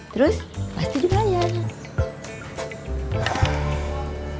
terus pasti dibayar